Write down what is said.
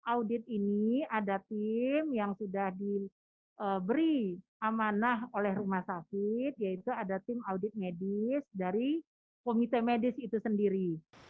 audit ini ada tim yang sudah diberi amanah oleh rumah sakit yaitu ada tim audit medis dari komite medis itu sendiri